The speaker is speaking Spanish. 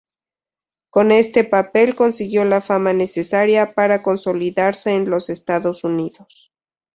Con este papel consiguió la fama necesaria para consolidarse en los Estados Unidos.